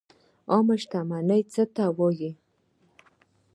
عامه شتمني څه ته وایي؟